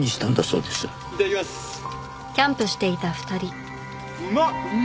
うまっ！